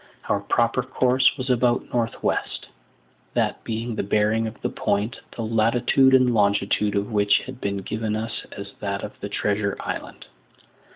Our proper course was about north west, that being the bearing of the point, the latitude and longitude of which had been given us as that of the treasure island.